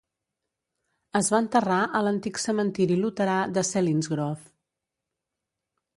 Es va enterrar a l"Antic Cementiri Luterà de Selinsgrove.